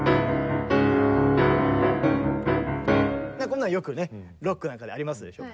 こんなのよくねロックなんかでありますでしょ。